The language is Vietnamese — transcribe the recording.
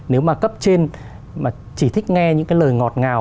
nếu mà cấp trên mà chỉ thích nghe những cái lời ngọt ngào